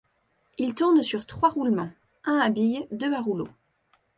Il tourne sur trois roulements, un à billes, deux à rouleaux.